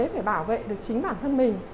phải bảo vệ được chính bản thân mình